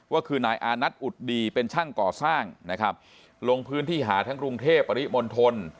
ก็คือนายอานัทอุดดีเป็นช่างก่อสร้างนะครับลงพื้นที่หาทั้งกรุงเทพปริมณฑล